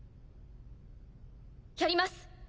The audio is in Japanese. やります。